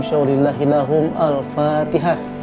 sya'ulillahi lahum al fatiha